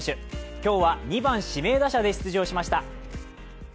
今日は２番・指名打者で出場しました。